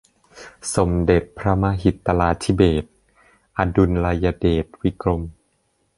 สมเด็จพระมหิตลาธิเบศร์ อดุลยเดชวิกรม